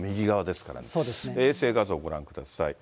衛星画像ご覧ください。